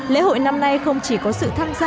lễ hội năm nay không chỉ có sự tham gia